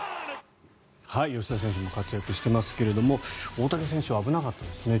吉田選手も活躍してますけれども大谷選手、危なかったですね。